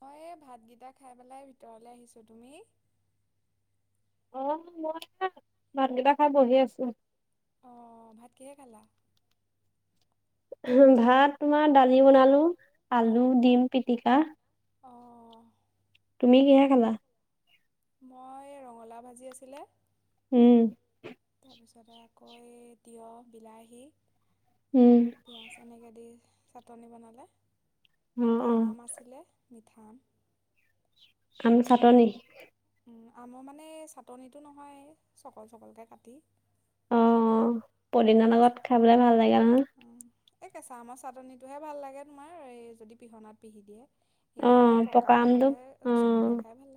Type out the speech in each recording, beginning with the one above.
মই এই ভাতকিটা খাই পেলাই ভিতৰলে আহিছো। তুমি? অ' মই খাই ভাতকিটা খাই বহি আছো। অঁ ভাত কিহে খালা? ভাত তোমাৰ দালি বনালো আলু অঁ ডিম পিটিকা অঁ। তুমি কিহে খালা? মই ৰঙালাও ভাজি আছিলে উম। তাৰপিছতে আকৌ এই তিয়ঁহ বিলাহী ওম। পিঁয়াজ এনেকে দি চাটনি বনালে, অ অ তাৰপৰা আম আছিলে মিঠা আম আম চাটনি? আমৰ মানে চাটনিটো নহয়, চকল চকলকৈ কাটি। অ' পদিনাৰ লগত খাবলৈ ভাল লাগে নহয়? অঁ এই কেঁচা আমৰ চাটনিটোহে ভাল লাগে তোমাৰ এই যদি পিহনাত পিহি দিয়ে। অ এনেই তোমাৰ পকা আম আমটো হ'লে অ চকলীয়াই খাই ভাল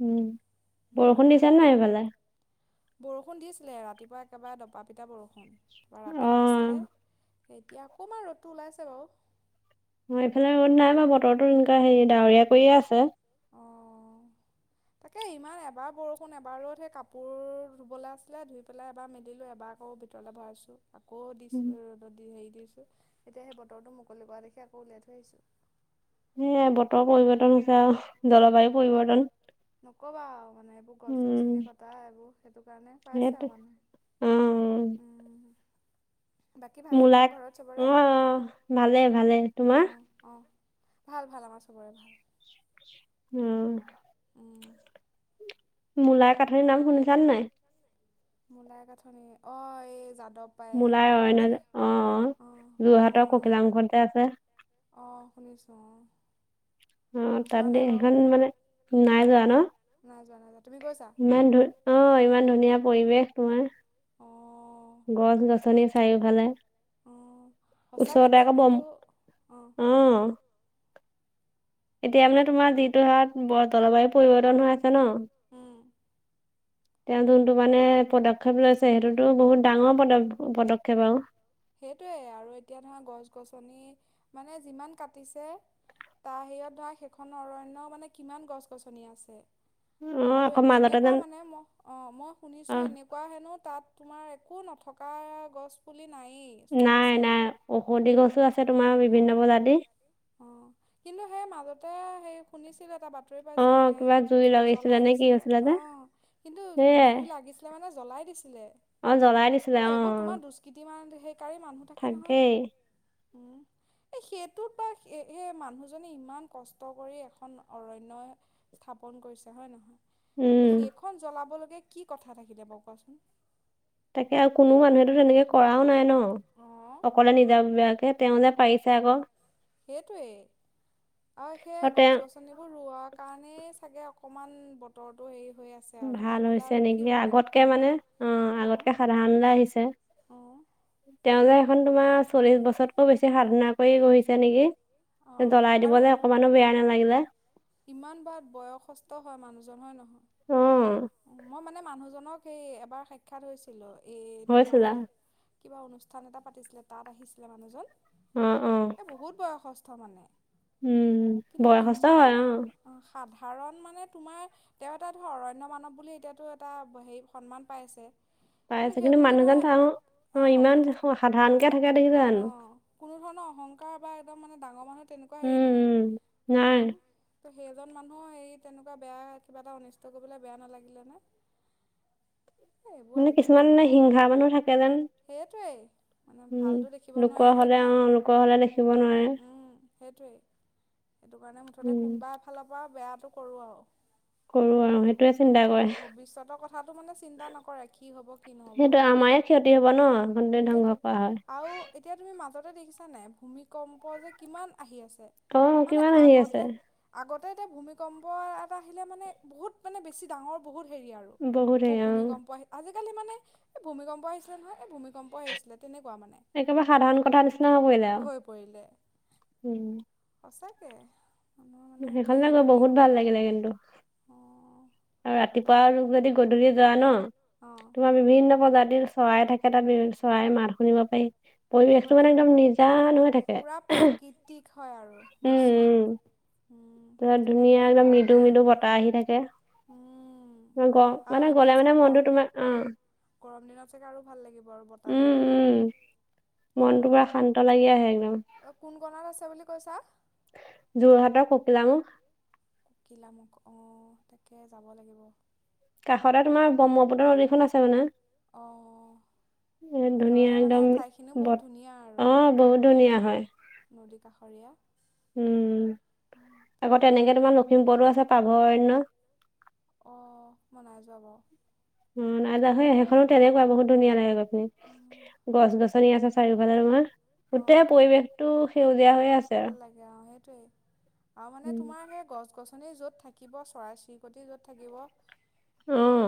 উম [unintelligible] বৰষুণ দিছিলে, ৰাতিপুৱা একেবাৰে ডবা-পিঠা বৰষুণ। প' অ ৰাতিও দিছিলে। এতিয়া অকণমান ৰ'দটো ওলাইছে বাৰু। উম, এইফালে ৰ'দ নাই বাৰু, বতৰটো এনেকুৱা হেৰি ডাৱৰীয়া কৰিয়ে আছে। [inaudible] অঁ তাকে ইমান এবাৰ বৰষুণ এবাৰ ৰ'দ। সেই কাপোৰ ধুবলৈ আছিলে, ধুই পেলাই এবাৰ মেলিলোঁ এবাৰ আকৌ ভি তৰলে ভৰাইছোঁ। আকৌ দিছোঁ ৰ'দত দি', হেৰি দিছোঁ। তেতিয়া সেই বতৰটো মুকলি কৰা দেখি আকৌ উলিয়াই থৈ আহিছোঁ। সেইয়ে বতৰৰ পৰিৱৰ্তন হৈছে আৰু জলবায়ু নক'বা পৰিৱৰ্তন। নকবা আৰু, মানে এইবোৰ উম গছ-গছনি কটা এইবোৰ সেইটো কাৰণে পাইছে সেইটোৱে আৰু অ মানুহে। উম। বাকী ভালে নহয় মূলাক ঘৰত অ চবৰে? ভালে ভালে তোমাৰ অহ। অহ। ভাল ভাল, আমাৰ চবৰে ভাল। উম। উম। মোলাই কাঠনিৰ নাম শুনিছা নে নাই? মোলাই কাঠনি, অ' এই যাদৱ মূলাৰ পায়েং অৰণ্য যে', অ অহ, অহ যোৰহাটৰ অহ। ককিলামুখত যে আছে অ', শুনিছোঁ অ'। অহ, তাত যোৱা দে, নাই বাৰু সেইখন মানে, নাই যোৱা ন? নাই যোৱা, নাই যোৱা। তুমি গৈছা? ইমান ধু অ' ইমান ধুনীয়া পৰিৱেশ তোমাৰ, অ', গছ-গছনি চাৰিওফালে। অ', সঁচাকে ওচৰতে তেওঁ আকৌ কিন্তু বম, অ'। অহ। এতিয়া মানে তোমাৰ যিটো হাৰত বৰ জলবায়ু পৰিৱৰ্তন হৈ আছে ন? উম। তেওঁ যোনটো মানে পদক্ষেপ লৈছে সেইটোতো বহুত ডাঙৰ পদ পদক্ষেপ আৰু। সেইটোৱে আৰু এতিয়া ধৰ গছ-গছনি মানে যিমান কাটিছে। তাৰ [unintelligible] ধৰা, সেইখন অৰণ্য মানে কিমান গছ গছনি আছে। অ আৰু আকৌ মাজতে এনেকুৱা যেন মানে ম' অ', মই অ শুনিছোঁ এনে- কুৱা হেনো তাত তোমাৰ একো নথকা গছ পুলি নায়ে। নাই নাই ঔষধি গছো আছে তোমাৰ বিভিন্ন প্ৰজাতি। অ', কিন্তু সেই মাজতে, সেই শুনিছিল এটা বাত- তৰি অ পাইছিলোঁ এ, কিবা জুই লগাইছিলে জ্বলাই নে কি দিছিলে হৈছিলে যে অ', কিন্তু সেয়াই জুই লাগিছ লে মানে জ্বলাই দিছিলে। অ জ্বলাই দিছিলে এ, অ এইবোৰ তোমাৰ দুষ্কিটি মান হেকাৰি মানুহ থাকে নহয় থাকেই উম, এ সেইটো পাই সে এ, মানুহজনি ইমান কষ্ট কৰি এখন অৰণ্য- স্থাপন কৰিছে, হয় নহয়? এ, উম সেইখন জ্বলাবলগীয়া কি কথা থাকিলে বাৰু, কোৱাচোন? তাকে কোনো মানুহেতো তেনেকে কৰাও নাই অ', ন' অপ- [unintelligible] তেওঁ লে পাৰিছে আকৌ। সেইটোৱে, আৰু সেই গছ গছ ছনিবোৰ ৰোৱা কাৰণে চাগে অকণমান বতৰটো হেৰি হৈ আছ ভাল হৈছে নেকি আগতকে মানে, অ', আগতকে সাধাৰণলৈ আহিছে। অ'। তেওঁ যে এখন তোমাৰ চল্লিশ বছৰতকৈ বেছি সাধনা কৰি বহিছে নেকি। অ', জ্বলাই আৰু দিবলৈ অকণমানো বেয়া নালাগিলে। ইমান বা বয়সস্থ হয় মানুহজন হয় নহয়? অ'। মই মানে মানুহজনক এই এবাৰ সাক্ষাৎ হৈছিলোঁ, এই হৈছিলা তোমাৰ কিবা অনুষ্ঠান এটা পাতিছিলে তাত আহিছিলে মানুহজন। অ', অ'। এ, বহুত বয়সস্থ মানে, উম কিন্তু বয়সস্থ হয় ইমান অ, সাধাৰণ মানে তোমাৰ তেওঁ এটা ধৰ অৰণ্য মানব বুলি এতিয়াতো এটা হেৰি সন্মান পাই আছে। পাই আছে কিন্তু মানুহজন [unintelligible] অ', অঁ ইমান কোনো সাধাৰণকে থাকে দেখিছা জানো। অঁ কোনো ধৰণৰ অহংকাৰ বা একদম মানে ডাঙৰ মানুহ তেনেকুৱা হেৰি উম উম নাই, নাই উম। ত' সেইজন মানুহৰ হেৰি তেনেকুৱা বেয়া কিবা এটা অনিষ্ট কৰিবলৈ বেয়া নালাগিলে নে। মানে কিছুমানে হিংহা মানুহ থাকে যেন। সেইয়টোৱে, মানে উম ভালতটো দেখিব লোকৰ নোৱাৰে যে হলে অ তোমাৰ, লোকৰ হলে উম, দেখিব নোৱাৰে উম। সেইটোৱে, সেইটো কাৰণে মুঠতে উম কোনবা ফালৰ পৰা বেয়াটো কৰোঁ আৰু। কৰো আৰু সেইটোৱেচ উম, ভৱিষ্যতৰ কথাটো মানে চিন্তা নকৰে, কি হ'ব। কি নহ'ব সেইটোৱে আমাৰে ক্ষতি হ'ব ন' উম, [unintelligible] সেইটোৱে ধ্বংস কৰা হয়। আৰু এতিয়া তুমি মাজতে দেখিছা নাই, ভূমিকম্প যে কিমান আহি আছে? অ মানে কিমান আহি আছে আগতে, আগতে এতে ভূমিকম্প ইয়াত আহিলে মানে, বহুত মানে বেছি ডাঙৰ বহুত হেৰি আৰু, বহুত হেৰি অ', ভূমিকম্প আহি আজিকালি মানে এই ভূমিকম্প আহিছিলে নহয় এই ভূমিকম্পই আহিছিলে তেনেকুৱা মানে। একেবাৰে সাধাৰণ কথা নিচিনা কৰিলে আৰু, হৈ পৰিলে উম। সঁচাকে, মানুহৰ মানে কি সেইখনলে গৈ গতি বহুত হ'ব। ভাল লাগিলে কিন্তু অঁ আৰু ৰাতিপুৱা তাকে যদি গধূলি যোৱা ন অঁ তোমাৰ- বিভিন্ন প্ৰজাতিৰ চৰাই থাকে তাত বি চৰাই মাত শুনিব পাৰি। পৰিৱেশটো মানে একদম নিজান হৈ থাকে। পূৰা প্ৰাকৃতিক হয় আৰু উম, দৃশ্যটো উম। উম, তাত তাকে ধুনীয়া তুমি একদম মৃদু কওঁতেই মৃদু বতাহ আহি থাকে- উম, গ- আৰু মানে এতিয়া গ'লে মানে চাগে মনটো গৰম তোমাৰ অ'। গৰম দিনত চাগে আৰু ভাল লাগিব আৰু বতাহ মাৰি উম থাকিব। উম তাকে মনটো পুৰা যাবা শান্ত লাগি আহে একদম। অ' কোন কণাত আছে বুলি কৈছা? যোৰহাটৰ ককিলাামুখ ককিলাামুখ অ' তাকে যাব লাগিব। কাষতে তোমাৰ ব্ৰহ্মপুত্ৰ নদীখন আছে মানে। অ'। এ ধুনীয়া একেবাৰে মানে একদম ঠাইখিনিও বত বহুত ধুনীয়া অ বহুত আৰু ধুনীয়া নদী হয় নদী কাষৰীয়া উম আকৌ তাকে যাব। তেনেকে তোমাৰ লখিমপুৰটো আছে পাভৰণ্য অ' মই নাই যোৱা বাৰু। অ' নাই যোৱা সেইখনো তেনেকুৱা বহুত ধুনীয়া লাগে গৈ পিনি গছ গছ চনি আছে চাৰিওফালে তোমাৰ গোটেই অ', পৰিৱেশটো সেউজীয়া হৈয়ে আছে ভাল আৰু লাগে অ', সেইটোৱেই। আৰু মানে তোমাৰ সেই গছ গছনি য'ত থাকিব চৰাই চিৰিকটি য'ত থাকিব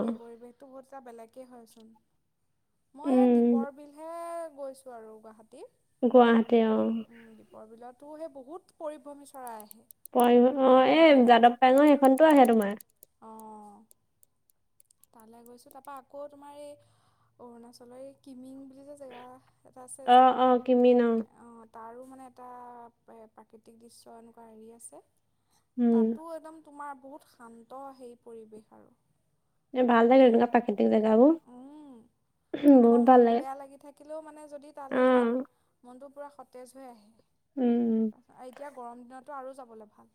সেই পৰিৱেশটো বহুত এটা বেলেগেই হয়চোন- মই উম, দীপৰবিলহে গৈছোঁ আৰু গুৱাহাটীত। গুৱাহাটী অ' দীপৰবিলতো সেই বহুত পৰিভ্ৰমী চৰায়ে আহে। অ' এই বিভিন্ন যাদৱ প্ৰজাতি পাইঙৰ আহে, সেইখনতো আহে তোমাৰ। অ'। তালৈ গৈছোঁ তাৰপৰা আকৌ তোমাৰ এই অৰুণাচলৰ এই কিমিং বুলি যে জেগা এটা আছে যে। অ', অ' কিমি নাও অ' তাৰো মানে এটা প্ৰাকৃতিক দৃশ্য এনেকুৱা হেৰি আছে। উম, তাতো একদম তোমাৰ বহুত শান্ত সেই পৰিৱেশ আৰু। এ ভাল লাগে সেইবিলাক প্ৰাকৃতিক জেগাবোৰ উম। আৰু তোমাৰ বহুত মন ভাল লাগে। বেয়া লাগি থাকিলেও মানে যদি তালৈ যোৱা অ', মনটো পূৰা সতেজ হৈ আহে। উম উম। এতিয়া গৰম দিনতটো আৰু যাবলৈ ভাল।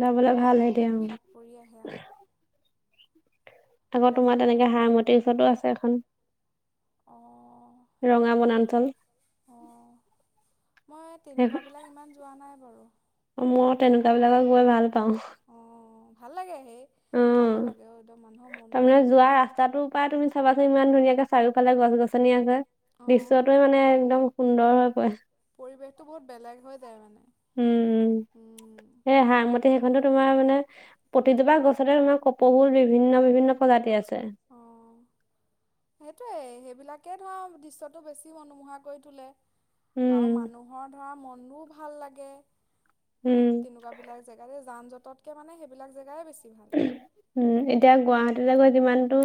যাবলে ভাল হয় এতিয়া মন অ'। সাত পৰি আহে অহ। আকৌ তোমাৰ যাব তেনেকে লাগে হাৰমুটিৰ ওচৰতো আছে এখন। ৰঙা বনাঞ্চল। অ' মই তেনেকুৱা বিলাক ইমান যোৱা নাই বাৰু। অ' ময়ো তেনেকুৱা বিলাকত গৈ ভাল পাওঁ। অ', অ' ভাল লাগে হে যাব অ'। লাগে ও একদম মানুহৰ মন বোৰ বহুত ভাল। ৰাস্তাটো পায় তুমি চাবাচোন ইমান ধুনীয়াকে চাৰিওফালে গছ গছনি আছে অঁ দৃশ্যটোৱে মানে একদম সুন্দৰ হৈ পৰে। পৰিৱেশটো বহুত বেলেগ হৈ যায় মানে। উম হুম উম, এ হা ম- সেইখনতো তোমাৰ মানে প্ৰতিজোপা গছতে তোমাৰ কপৌফুল বিভিন্ন বিভিন্ন প্ৰজাতিৰ আছে [inaudible] সেইটোৱেই সেইবিলাকেই ধৰা দৃশ্যটো বেছি মনোমোহা কৰি তোলে আৰু উম মানুহৰ ধৰা মনবোৰ ভাল লাগে হেন উম তেনেকুৱা বিলাক জেগাতে যান জঁটতকে মানে সেইবিলাক জেগাই বেছি ভাল উম এতিয়া গুৱাহতীলৈ গৈ যিমানটো,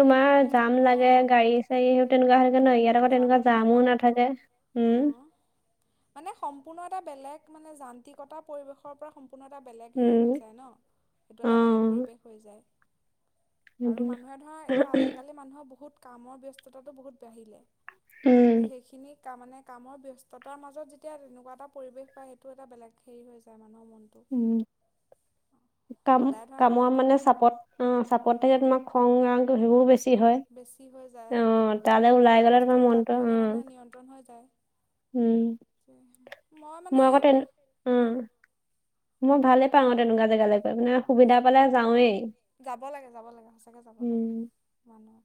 তোমাৰ মানে জাম লাগে অঁ গাড়ীৰ সেই তেনেকুৱা হৈ যায় ন ইয়াত আকৌ যান তেনেকুৱা বাহনৰ জামো মাত্ৰ নাথাকে উম অঁ মানে সম্পূৰ্ণ এটা বেলেগ মানে যান্ত্ৰিকতা পৰিৱেশৰ পৰা সম ম্পূৰ্ণ এটা বেলেগ হেৰি হৈ উম যায় ন সেইটো অ এটা বেলেগ পৰিৱেশ হৈ যায় আৰু সেইটোৱে মানুহে ধৰা এতিয়া আজিকা লি মানুহৰ বহুত কামৰ ব্যস্ততাটো বহুত বাঢ়িলে ত' উম সেইখিনিক তাৰ মানে কামৰ ব্যস্ততাৰ মাজত যেতিয়া তেনেকুৱা এটা পৰিৱেশ পায় সেইটো এটা বেলেগ হেৰি হৈ যায় মানুহৰ মন উম কাম সদায় ধৰা কামৰ কামতেতো মানে চাপত অহ চাপতে হে উম, তোমাৰ খং ৰাংটো সেইবোৰো বেছি হয় বেছি হৈ যায় অ তালৈ ওলাই সেইবিলাক গ'লে বস্তু তোমাৰ তাত মনটো অ গ'লে মানে নিয়ন্ত্ৰণ হৈ যায় উম তাকেহে মই মানে আকৌ তেন উম অহ মই ভালে পাং আ তেনেকা জেগালে তাৰমানে সুবিধা সেই পালে যাওঁৱেই যাব লাগে যাব লাগে সঁচাকৈ যাব লাগে উম মানুহ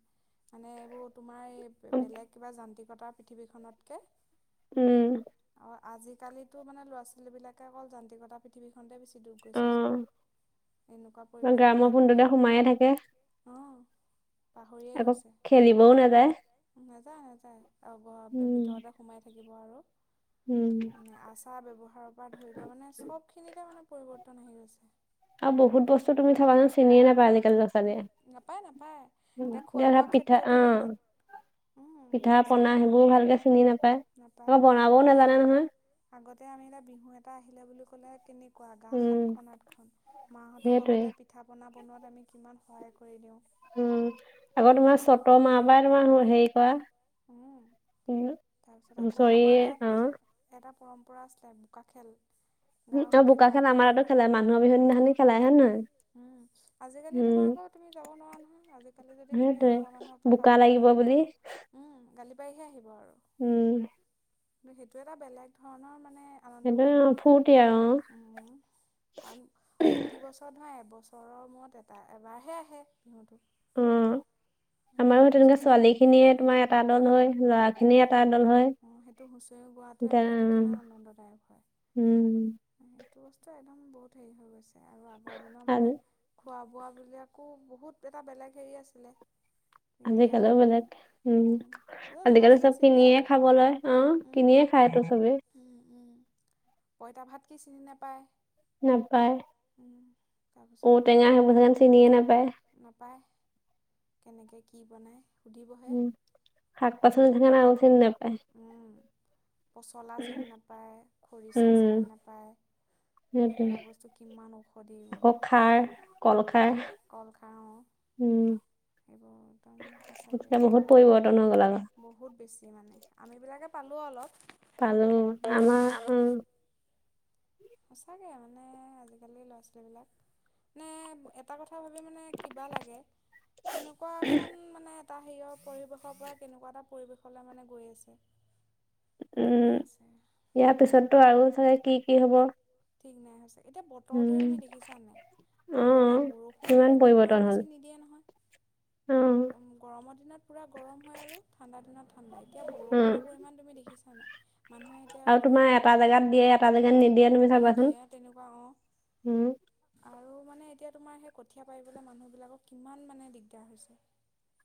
মানে এইবোৰ তোমাৰ এই বেলেগ কিবা যান্ত্ৰিকতাৰ পৃথিৱীখনতকে উম অ আজিকালিতো মানে ল'ৰা ছোৱালী বিলাকে অকল যান্ত্ৰিকতাৰ পৃথিৱীখনতেই বেছি দূব গৈছেচোন [unintelligible] এনেকুৱা পৰিৱেশ গ্ৰামৰ বিলাক ফোনটোতে সোমায়ে থাকে মানুহে অহ পাহৰিয়ে আকৌ খেলিবও নাযায় গৈছে নাযায় নাযায় অ ঘৰৰ উম ভিতৰতে সোমাই থাকিব আৰু উম মানে আচাৰ ব্যৱহাৰৰ পৰা ধৰি লৈ মানে চবখিনিতে মানে পৰিৱৰ্তন আহি গৈছে আৰু বহুত বস্তু তুমি চাবাচোন চিনিয়ে নাপাই আজিকা লি ল'ৰা ছোৱালীয়ে উম, নাপায় নাপায় এতিয়া খোৱা উম বোৱা [unintelligible] পিঠা ক্ষেত্ৰতো অহ কিমান উম, পিঠা পোনা সঁচাকৈ সেইবোৰো ভালকে চিনি নাপায় আকৌ বনাবওঁ নাপায় নাজানে নহয় আগতে আমি এটা বিহু এটা আহিলে বুলি ক'লে কেনেক কুৱা গা উম সাতখন আঠখন মাহঁতৰ সেইটোৱে লগতে পিঠা পোনা বনোৱাত আমি কিমান সহায় কৰি দিওঁ উম আকৌ তোমাৰ পিঠা চ'তৰ মাহৰ পা তোমাৰ হেৰি কৰে উম উম তাৰপিছত আকৌ হুঁচৰি আমাৰ অ গাঁৱত এটা পৰম্পৰা আছিলে! বোকা খেল উম, গাঁৱৰ গোটেই বোকা খেল আমাৰ ল'ৰাখিনিয়ে ইয়াতো খেলে মানুহৰ বিহু অঁ দিনাখনে খেলাই হয় নহয় উম, আজিকালি উম তোমাৰ আকৌ তুমি যাব নোৱাৰা নহয়! আজিকালি যদি তুমি সেইটোৱে এঘৰ মানুহক বোকা কাৰোবাৰ লাগিব এজনৰ বুলি কাৰণে উম, গালি পাৰিহে আহিব আৰু উম কিন্তু সেইটো এটা বেলেগ ধৰণৰ মানে আনন্দ সেইটো হয় ন ফূৰ্তি আৰু উম, কাৰণ প্ৰতিবছ এ ধৰা এবছৰৰ মূৰত এটা এবাৰহে আহে বিহুটো উম, সেইটো আমাৰো কাৰণে তেনেকে চবেই ছোৱালীখিনিয়ে তোমাৰ এটা দল হৈ ল'ৰাখিনি উম এটা দল হয়! অ সেইটো হুঁচৰি গোৱাটো এটা এতিয়া সেইটো কিমান উম। এইটো বস্তু একদম বহুত হেৰি হৈ গৈছে আৰু আগৰ দিনৰ মানে আজি খোৱা বোৱাবিলাকো বহুত এটা বেলেগ হেৰি আছিলে। এতিয়া আজিকালিও বেলেগ উম। ল'ৰা আজিকালি ছোৱালীয়ে চব চিনিয়ে কিনিয়ে নাপায় খাব লয়, অ', উম কিনিয়ে খায়টো চবেই। উম, উম, পঁইতা ভাত কি চিনি নাপায়! নাপায়! উম, ঔ- তাৰপিছতে টেঙা তোমাৰ হেইবোৰ চাগে চিনিয়ে নাপায়। নাপায়, কেনেকে কি বনায় সুধিবহে। উম শাক পাচলি [unintelligible] আৰু চিনি নেপায়। উম, পচলা চিনি নাপায়, খৰিচা চিনি উম নাপায়! সেইটোৱে সেইবিলাক বস্তু কিমান ঔষধি গুণ, আকৌ খাৰ কল খাৰ কল খাৰ অ'। উম। এইবোৰ একদম সঁচাকৈ এতিয়া বহুত পৰিৱৰ্তন হৈ গ'ল আকৌ বহুত। বহুত বেছি মানে, আমিবিলাকে পালোঁ অলপ। পালোঁ, আমাৰ উম সঁচাকৈ মানে আজিকালি ল'ৰা ছোৱালীবিলাক মানে এটা কথা ভাবি মানে কিবা লাগে, কেনেকুৱা এখন মানে এটা হেৰি অ' পৰিৱেশৰ পৰা কেনেকুৱা এটা পৰিৱেশলৈ মানে গৈ আছে গতি উম কৰি আছে! ইয়াৰ পিছতটো আৰু চাগে কি, কি হ'ব! ঠিক নাই [unintelligible] এতিয়া উম বতৰটোৱে তুমি দেখিছা নে নাই, অ আগতে বৰষুণ কিমান দিলেও ইমান বেছি নিদিয়ে নহয়! উম। গৰমৰ দিনত পুৰা গৰম হয়, আৰু ঠাণ্ডা দিনত ঠাণ্ডা এতিয়া উম বৰষুণৰ পৰিমাণ তুমি দেখিছা নাই, মানুহে এতিয়া আৰু তোমাৰ হেৰি এটা জেগাত দিয়ে, এটা জেগাত নিদিয়ে! তুমি চাবাচোন নিদিয়ে, তেনেকুৱা অ'। উম আৰু মানে এতিয়া তোমাৰ সেই কঠীয়া পাৰিবলৈ মানুহবিলাক কিমান মানে দিগদাৰ হৈছে!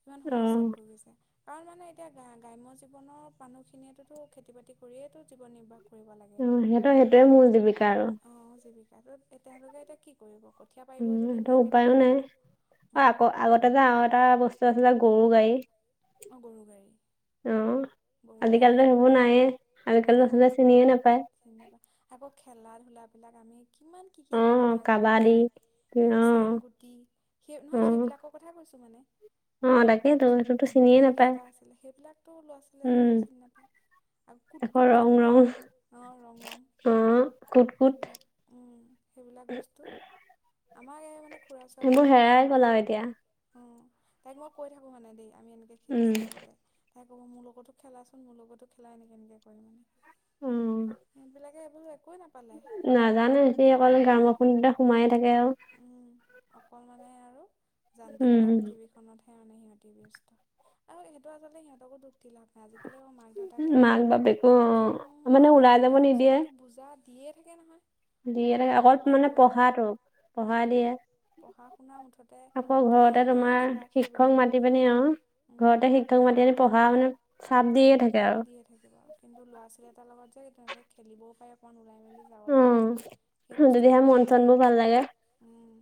কিমান অ সমস্যাত ভুগিছে। কাৰণ মানে এতিয়া গা-গ্ৰাম্য জীৱনৰ মানুহখিনিয়ে টোতো খেতি-বাতি কৰিয়েইটো জীৱন নিৰ্বাহ কৰিব লাগে। ত' সেইটোয়ে মোৰ জীৱিকা আৰু। অ', জীৱিকা ত' তেওঁলোকে এতিয়া কি কৰিব? কঠীয়া পাৰিব উম যদি সিহঁতৰ নোৱাৰে উপায়ো কেনেকৈ নাই ৰুব? অ উম। আকৌ আগতে যে আৰু এটা বস্তু আছিলে যে গৰু গাড়ী! অ', গৰু গাড়ী। অ', গৰু গাড়ী আজিকালিতো সেইবোৰ নায়ে, আজিকালি উম লছালীয়ে চিনিয়ে নাপায়! চিনি নাপায়, আকৌ খেলা ধূলাবিলাক আমি কিমান কি, কি অ খেলো। টাংগুটি, কাবাডী অ চেংগুটি সেই অ নহয়, সেইবিলাকক কথা কৈছোঁ মানে। অ', তাকেটো সেই বু বুলি এটা আছিলে সেইবিলাকতো ল'ৰা ছোৱালীয়ে উম আজিকালি চিনি নাপায়। আৰু কোট, আকৌ কোট ৰং খেলো যে, ৰং অ', ৰং, ৰং অ কুট কুট সেইবিলাক। উম, সেইবিলাক বস্তু। আমাৰ এই মানে খুৰা সেইবোৰ ছোৱালীজনী তাই হেৰাই মানে গ'ল আৰু এতিয়া উম তাইক মই কৈ থাকো মানে দেই আমি এনেকে উম খেলিছিলোঁ আগতে। তাই ক'ব মোৰ লগতো খেলাচোন মোৰ লগতো খেলা এনেক কেনেকৈ কৰি মানে সেইবিলাক। এইবোৰ একো না। নাজানো সি অকল গামৰ ফটা সোমাই থাকে আৰু। উম অকল মানে আৰু উম যান্ত্ৰিকতা পৃথিৱীখনতহে মানে সিহঁতি বস্ত। আৰু সিহঁতৰ আগতে সিহঁতকো দুখ। দিলাত আজিকালি মাক দেউতাকে মাক বাপেকো অ মানে ওলাই কিমানৰ যাব ইটোৰ পিছত নিদিয়ে ইটো বুজাত। দিয়ে থাকে নহয়। দিয়ে পঢ়া থাকে কল শুনাৰ পৰা মানে ধৰি লৈ পঢ়াটো পঢ়া অঁ দিয়ে। পঢ়া শুনা মুঠতে আকৌ গান ঘৰতে নাচ তোমাৰ বাগ সেইবিলাক শিক্ষক মানে মাতি পিনি অ। উম, ঘৰতে শিক্ষক মাতি আনি পঢ়া মানে চাপ দিয়ে থাকে আৰু। থাকিব আৰু কিন্তু ল'ৰা-ছোৱালীৰ ছোৱালী এটাৰ লগত যে তেনেকে খেলিবও পাৰে অকণ ওলাই মেলি। যাব পাৰি উম, সেই যদিহে বস্তুটোৰ পৰা মন মানে চনবোৰ ভাল একদম লাগে। উম।